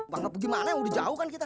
bang gimana udah jauh kan kita